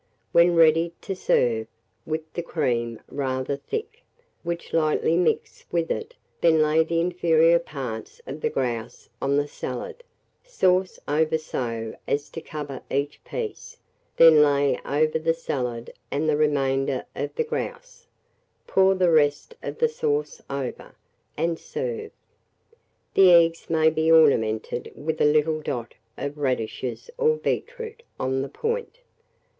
When ready to serve, whip the cream rather thick, which lightly mix with it; then lay the inferior parts of the grouse on the salad, sauce over so as to cover each piece, then lay over the salad and the remainder of the grouse, pour the rest of the sauce over, and serve. The eggs may be ornamented with a little dot of radishes or beetroot on the point.